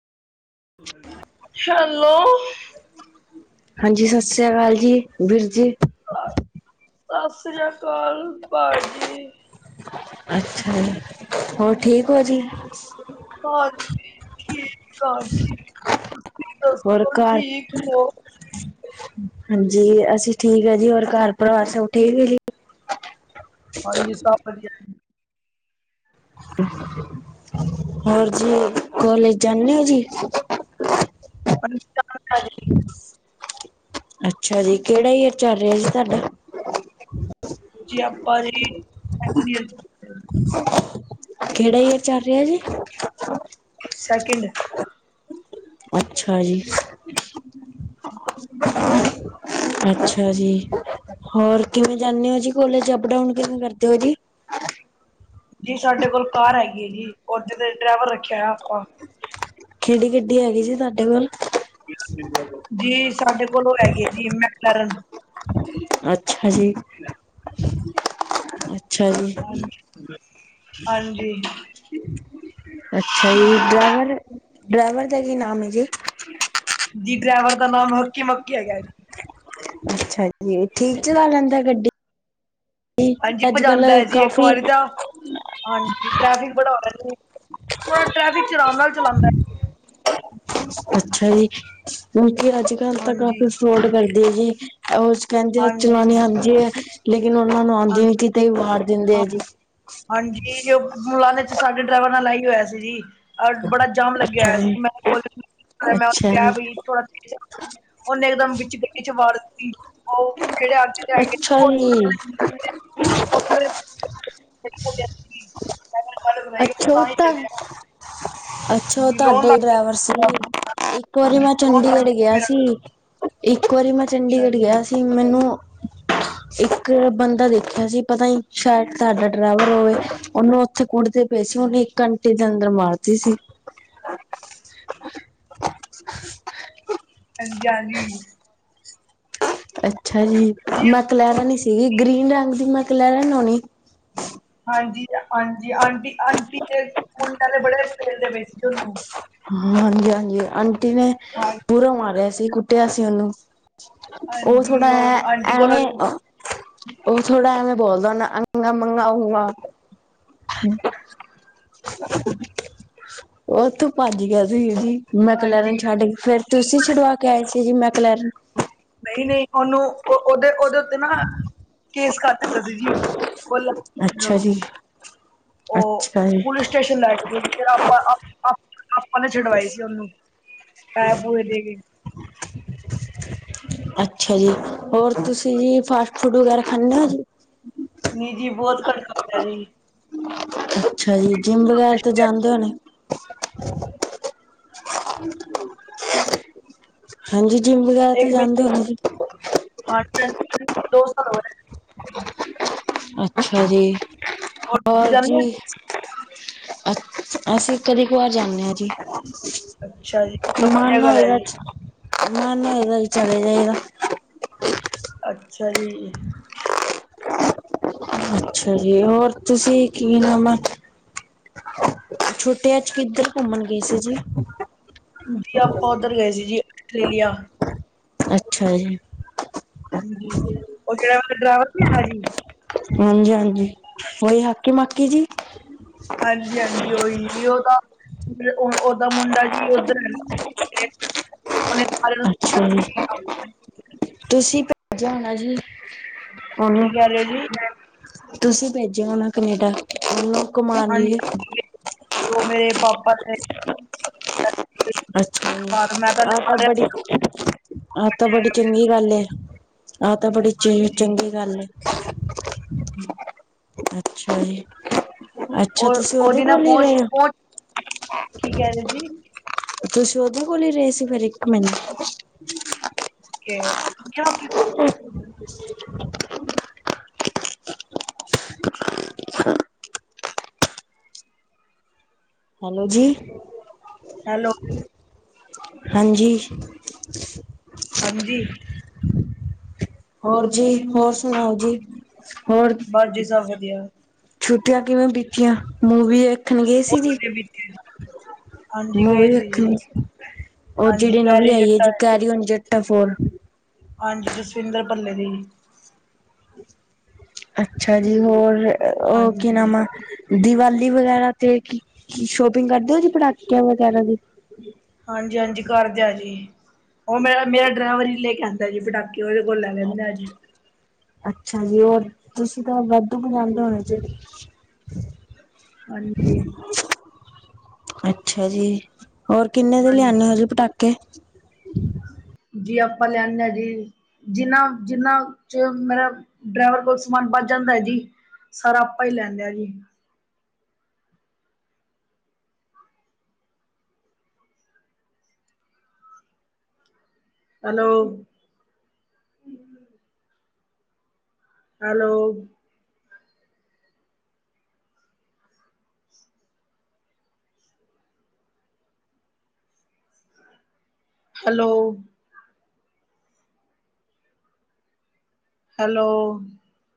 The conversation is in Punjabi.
ਹੈਲੋ, ਹਾਂਜੀ ਸਸ ਸ੍ਰੀ ਅਕਾਲ ਜੀ, ਵੀਰ ਜੀ। ਸਸ ਸ੍ਰੀ ਅਕਾਲ ਭਾਜੀ। ਅੱਛਾ ਜੀ, ਹੋਰ ਠੀਕ ਹੋ ਜੀ? [unintelligible] ਹਾਂਜੀ, ਠੀਕ ਆ ਜੀ, ਤੁਸੀਂ ਹੋਰ ਦੱਸੋ ਘਰ ਠੀਕ ਹੋ? ਹਾਂਜੀ, ਅਸੀਂ ਠੀਕ ਆ ਜੀ, ਹੋਰ ਘਰ-ਪਰਿਵਾਰ ਸਭ ਠੀਕ ਹੈ ਜੀ? ਹਾਂਜੀ, ਸਭ ਵਧੀਆ ਜੀ। [unintelligible] ਹੋਰ ਜੀ, ਕੋਲਜ ਜਾਨੇ ਓ ਜੀ? [unintelligible] [inaudible] ਅੱਛਾ ਜੀ, ਕਿਹੜਾ ਈਅਰ ਚਲ ਰਿਹਾ ਜੀ ਤੁਹਾਡਾ? ਜੀ ਆਪਾਂ ਜੀ ਸੈਕਿੰਡ ਈਅਰ ਚ ਹੈਗੇ ਆ। ਕਿਹੜਾ ਈਅਰ ਚੱਲ ਰਿਹਾ ਜੀ? ਸੈਕਿੰਡ। ਅੱਛਾ ਜੀ। ਅੱਛਾ ਜੀ, ਹੋਰ ਕਿਵੇਂ ਜਾਨੇ ਓ ਜੀ ਕੋਲੇਜ ਅਪ-ਡਾਊਨ ਕਿਵੇਂ ਕਰਦੇ ਓ ਜੀ? ਜੀ ਸਾਡੇ ਕੋਲ ਕਾਰ ਹੈਗੀ ਐ ਜੀ, ਉੰਜ ਤੇ ਡਰੈਵਰ ਰੱਖਿਆ ਹੋਇਆ ਆਪਾਂ। ਕਿਹੜੀ ਗੱਡੀ ਹੈਗੀ ਜੀ ਤੁਹਾਡੇ ਕੋਲ? ਜੀ ਸਾਡੇ ਕੋਲੋ ਉਹ ਹੈਗੀ ਐ ਜੀ ਮੈਕਲੈਰਨ। ਅੱਛਾ ਜੀ, ਅੱ ਹਾਜ ਹਾਂਜੀ। ਅੱਛਾ ਜੀ, ਡਰੈਵਰ-ਡਰੈਵਰ ਦਾ ਕੀ ਨਾਮ ਐ ਜੀ? ਜੀ ਡਰੈਵਰ ਦਾ ਨਾਮ ਹੱਕੀ-ਮੱਕੀ ਹੈਗਾ। ਅੱਛਾ ਜੀ, ਠੀਕ ਚਲਾ ਲੈਂਦਾ ਐ ਗੱਡੀ? ਹਾਂਜੀ, ਅੱਜ ਕੱਲ ਭਜਾਦਾ ਐ ਜੀ, ਇੱਕ ਕਾਫੀ ਵਾਰੀ ਤਾਂ ਹਾਂਜੀ ਟ੍ਰੈਫਿਕ ਬੜਾ ਹੋ ਰਹਾ ਜੀ, ਥੋੜਾ ਟ੍ਰੈਫਿਕਚ ਧਿਆਨ ਨਾਲ ਚਲਾਂਦਾ। ਅੱਛਾ ਜੀ, ਕਿਉਕਿ ਅੱਜ-ਕੱਲ ਤਾਂ ਹਾਂਜੀ ਕਾਫੀ ਨੋਟ ਕਰਦੇ ਐ ਜੀ, ਉਹ ਕਹਿੰਦੇ ਆ ਹਾਂਜੀ ਚਲਾਣੀ ਆਂਦੀ ਐ, ਲੇਕਿਨ ਓ ਉਹਨਾਂ ਨੂੰ ਆਂਦੀ ਨੀ, ਹਾਂਜੀ ਕਿਤੇ ਵੀ ਵਾਰ ਦਿੰਦੇ ਆ ਜੀ। ਹਾਂਜੀ ਹਾਂਜੀ ਉਹ ਮੁਲਾਨੇ ਚ ਸਾਡੇ ਡਰੈਵਰ ਨਾਲ ਐ ਹੀ ਹੋਇਆ ਸੀ ਜੀ। ਬੜਾ ਜਾਮ ਲੱਗਿਆ ਅੱਛਾ ਹੋਇਆ ਸੀ, ਜੀ ਮੈਂ ਕੋਲ [inaudible] ਮੈਂ ਉਹ ਨੂੰ ਅੱਛਾ ਕਿਹਾ ਜੀ ਬਈ ਥੋੜਾ ਪਿੱਛੇ ਹੋ। ਉਹਨੇ ਇੱਕਦਮ ਵਿੱਚ ਗੱਡੀ ਚ ਵਾਰ ਦਿੱਤੀ। ਉਹ ਜਿਹੜੇ ਆਦਮੀ ਲਿਆ ਕੇ ਨਾ ਅੱਛਾ ਫੋਰਚੂਨਰ ਜੀ ਵਾਲੇ [inaudible] ਹੋ ਗਿਆ ਸੀ ਜੀ। [inaudible] ਅੱਛਾ ਉਹ ਤਾਂ ਹੀ ਚੱਡਿਆ ਨਾ। ਅੱਛਾ ਉਹ ਤੁਹਾਡਾ ਹੀ ਡਰੈਵਰ ਸੀ? ਗਿਆ ਇੱਕ ਵਾਰੀ ਮੈਂ ਰੋਣ ਲੱਗ ਚੰਡੀਗੜ੍ਹ ਗਿਆ ਮੇਰਾ ਸੀ, ਇੱਕ ਵਾਰੀ ਮੈਂ ਅੱਛਾ ਚੰਡੀਗੜ੍ਹ ਜੀ ਗਿਆ ਸੀ। ਮੈਨੂੰ ਇੱਕ ਬੰਦਾ ਦੇਖਿਆ ਸੀ ਪਤਾ ਨੀ ਸ਼ਾਇਦ ਤੁਹਾਡਾ ਡਰੈਵਰ ਹੋਵੇ, ਉਹਨੂੰ ਉੱਥੇ ਕੁੱ ਕੁੱਟਦੇ ਪਏ ਸੀ, ਉਹਨੇ ਇੱਕ ਘੰਟੇ ਦੇ ਅੰਦਰ ਮਾਰਤੀ ਸੀ। ਹਹ ਹਾਂਜੀ ਹਾਂਜੀ। ਅੱਛਾ ਜੀ, ਮੈਕਲੈਰਨ ਸੀਗੀ, ਗ੍ਰੀਨ ਰੰਗ ਦੀ ਮੈਕਲੈਰਨ ਹੋਣੀ। ਹਾਂਜੀ ਹਾਂਜੀ, ਅੰਟੀ ਅੰਟੀ ਦੇ ਕੁੰਡ ਵਾਲੇ ਬੜੇ ਪੇਲਦੇ ਪਏ ਸੀ ਜੀ ਉਹਨੂੰ। ਹਾਂਜੀ-ਹਾਂਜੀ ਆਂਟੀ ਨੇ, ਹਾਂ ਪੂਰਾ ਮਾਰਿਆ ਸੀ ਕੁੱਟਿਆ ਸੀ ਉਹਨੂੰ। ਉਹ ਹਾਂਜੀ ਥੋੜ੍ਹਾ ਹੈ ਉਹ ਆਂਟੀ ਕੋਲੋਂ ਐਵੇਂ ਉਹ ਥੋੜਾ ਐਵੇਂ ਬੋਲਦਾ ਹੋਣਾ ਅ ਮੰਗਾਊਗਾ। ਉਥੋਂ ਭੱਜ ਗਿਆ ਸੀ ਜੀ ਮੈਂ ਕਲੈਰ ਨੂੰ ਹਾਂਜੀ ਛੱਡ ਕੇ ਫੇਰ ਤੁਸੀਂ ਛੁਡਵਾ ਕੇ ਆਏ ਸੀ ਜੀ ਮੈਂ ਕਲਰ ਨਹੀਂ-ਨਹੀਂ ਉਹਨੂੰ ਉਹ ਉਹਦੇ ਉਹਦੇ ਉੱਤੇ ਨਾ, ਕੇਸ ਕਰ ਦਿੱਤਾ ਸੀ ਜੀ, ਉਹਲਾ ਅੱਛਾ ਉਹਨੂੰ ਜੀ। ਉਹ ਅੱਛਾ ਜੀ। ਪੁਲਿਸ ਸਟੇਸ਼ਨ ਲੈ ਕੇ ਫਿਰ ਆਪਾਂ ਆਪਾਂ ਨੇ ਛੁਡਵਾਈ ਸੀ ਉਹਨੂੰ। ਪੈ ਪੂਏ ਦੇ ਕੇ ਅੱਛਾ ਜੀ। ਹੋਰ ਤੁਸੀਂ ਜੀ ਫਾਸਟ ਫੂਡ ਵਗੈਰਾ ਖਾਨੇ ਓ ਜੀ? ਨੀ ਜੀ ਬਹੁਤ ਘਟ ਖਾਂਦਾ ਜੀ। ਅੱਛਾ ਜੀ ਜਿੰਮ ਵਗੈਰਾ ਤੇ ਜਾਂਦੇ ਹੋਣੇ। [unintelligible] ਹਾਂਜੀ ਜਿੰਮ ਵਗੈਰਾ ਤੇ ਜਾਂਦੇ ਹੋਣੇ ਜੀ। ਹਾਂ ਦੋ ਸੌ ਹੋ ਅੱਛਾ ਜੀ, ਤੁਸੀਂ ਹੋਰ ਜਾਂਦੇ ਹੋ ਜੀ। ਅ ਅਸੀਂ ਕਦੀ ਕੁਆਰ ਜਾਂਨੇ ਆ ਜੀ। ਅੱਛਾ ਜੀ ਚਲੋ ਵਧੀਆ ਮਨ ਗੱਲ ਹੈ ਹੋਏਗਾ, ਜੀ ਮਨ ਹੋਏਗਾ ਤਾਂ ਚਲੇ ਜਾਏਦਾ। ਅੱਛਾ ਜੀ। ਅੱਛਾ ਜੀ ਹੋਰ ਤੁਸੀਂ ਕੀ ਲਵਾਂ? ਛੁੱਟੀਆਂ 'ਚ ਕਿੱਧਰ ਘੁੰਮਣ ਗਏ ਸੀ ਜੀ? ਜੀ ਆਪਾਂ ਉੱਧਰ ਗਏ ਸੀ ਜੀ ਆਸਟ੍ਰੇਲੀਆ। ਅੱਛਾ ਜੀ। ਹਾਂਜੀ, ਉਹ ਜਿਹੜਾ ਉੱਥੇ ਡਰਾਈਵਰ ਨੀ ਆਇਆ ਸੀ। ਹਾਂਜੀ-ਹਾਂਜੀ ਉਹੀ ਹਾਕੀ ਮਾਕੀ ਜੀ? ਹਾਂਜੀ-ਹਾਂਜੀ ਉਹੀ ਜੀ ਉਹ ਤਾਂ ਉਹਦਾ ਮੁੰਡਾ ਜੀ ਉਧਰ ਰਹਿੰਦਾ ਉਹਨੇ ਸਾਰੇ ਅੱਛਾ ਜੀ, ਤੁਸੀਂ ਭੇਜਿਆ ਹੋਣਾ ਜੀ। ਕੀ ਕਹਿ ਰਹੇ ਹੋ ਜੀ ਉਹ, ਤੁਸੀਂ ਭੇਜਿਆ ਹੋਣਾ ਕਨੇਡਾ ਉਹਨੂੰ। ਘੁੰਮਾਣ ਲਈ। ਜੋ ਮੇਰੇ ਪਾਪਾ ਨੇ- ਸੀ ਅੱਛਾ ਜੀ ਬਾਹਰ ਮੈਂ ਆ ਲਗਾ ਤਾਂ ਰਿਹਾ ਸੀ ਬੜੀ ਚ, ਆ ਤਾਂ ਬੜੀ ਚੰਗੀ ਗੱਲ ਏ। ਆ ਤਾਂ ਬੜੀ ਚੇ ਚੰਗੀ ਗੱਲ ਏ। ਹੂੰ ਅੱਛਾ ਜੀ। ਅੱਛਾ ਉਹ ਤੁਸੀਂ ਉਹਦੇ ਉਹਦੀ ਨਾ ਕੋਲ ਈ ਪਹੁੰਚ ਰਹੇ ਓ? ਪਹੁੰਚ ਕੀ ਕਹਿ ਰਹੇ ਜੀ ਤੁਸੀਂ ਓਹਦੇ ਕੋਲ ਈ ਰਹੇ ਸੀ ਫੇਰ ਇੱਕ ਮਿੰਟ? ਕਿਉਂ, ਕਿਉਂ ਕੀ। [inaudible] ਹੈਲੋ ਜੀ। ਹੈਲੋ। ਹਾਂਜੀ। ਹਾਂਜੀ। ਹੋਰ ਜੀ ਹੋਰ ਸੁਣਾਓ ਜੀ, ਹੋਰ। ਬਸ ਜੀ ਸਬ ਵਦੀਆ ਛੁੱਟੀਆਂ ਕਿਵੇਂ ਬੀਤੀਆਂ ਮੂਵੀ ਵੇ ਖਣ ਗਏ ਸੀ ਬਹੁਤ ਜੀ, ਵਧੀਆ ਬੀਤੇ ਜੀ। ਹਾਂਜੀ ਗਏ ਮੂਵੀ ਸੀ ਜੀ, ਵੇਖਣ ਉਹ ਹਾਂਜੀ ਜਿਹੜੀ ਨਵੀ ਕੈਰੀ ਆਈ ਐ ਜੱਟਾ ਜੀ ਕੈਰੀ ਔਨ ਜੱਟਾ ਫੋਰ ਹਾਂਜੀ, ਜਸਵਿੰਦਰ ਭੱਲੇ ਦੀ ਅੱਛਾ ਜੀ ਹੋਰ ਓਹ ਕੀ ਹਾਂਜੀ, ਨਾਮ ਆ ਦੀਵਾਲੀ ਵਗੈਰਾ ਤੇ ਕਿ ਸ਼ੋਪਿੰਗ ਕਰਦੇ ਔ ਜੀ ਪਟਾਕੇਆਂ ਵਗੈਰਾ ਦੀ ਹਾਂਜੀ-ਹਾਂਜੀ ਕਰਦੇਂ ਆਜੀ, ਉਹ ਮੇਰਾ-ਮੇਰਾ ਡਰਾਈਵਰ ਈ ਲੇਕੇ ਆਂਦੈ ਜੀ ਪਟਾਕੇ ਤੇ ਓਦੇ ਕੌਲ ਲੈ ਲੈੰਦਾ ਜੀ ਅੱਛਾ ਜੀ ਔਰ ਤੁਸੀਂ ਤਾਂ ਵਾਧੂ ਮਗਾੰਦੇ ਹੋਨੇ ਜੀ ਹਾਂਜੀ ਅੱਛਾ ਜੀ, ਔਰ ਕਿੰਨੇ ਦੇ ਲਿਆਣੇ ਓ ਹਾਂਜੀ, ਜੀ ਪਟਾਕੇ ਜੀ ਆਪਾਂ ਲਿਆਣੇ ਆਂ ਜੀ ਜਿੰਨਾ-ਜਿੰਨਾਂ ਚ ਮੇਰਾ ਡਰੈਵਰ ਕੋਲ ਸਮਾਨ ਬੱਚ ਜਾਂਦਾ ਐ ਜੀ ਸਾਰਾ ਆਪਾ ਹੀ ਲੈਂ ਆੰਦੇ ਆ ਜੀ ਹੈਲੋ ਹੈਲੋ ਹੈਲੋ ਹੈਲੋ